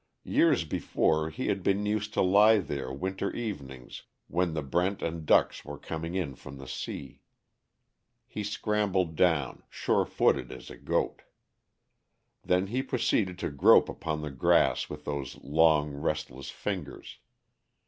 Years before he had been used to lie there winter evenings when the brent and ducks were coming in from the sea. He scrambled down, sure footed as a goat. Then he proceeded to grope upon the grass with those long restless fingers.